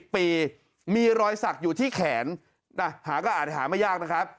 ปีมีรอยสักอยู่ที่แขนหาก็อาจหาไม่ยากนะครับ